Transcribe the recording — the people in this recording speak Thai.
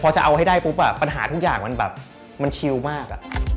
พอจะเอาให้ได้ปุ๊บปัญหาทุกอย่างมันแบบมันชิลมาก